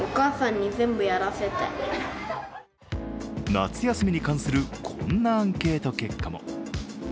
夏休みに関するこんなアンケート結果も。